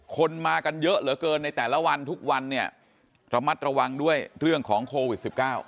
คนมากันเยอะเหลือเกินในแต่ละวันทุกวันเนี่ยระมัดระวังด้วยเรื่องของโควิด๑๙